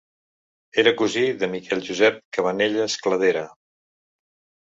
Era cosí de Miquel Josep Cabanelles Cladera.